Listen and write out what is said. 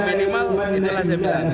minimal itulah saya pindah